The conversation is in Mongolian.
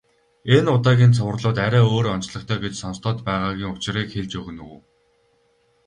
Энэ удаагийн цувралууд арай өөр онцлогтой гэж сонстоод байгаагийн учрыг хэлж өгнө үү.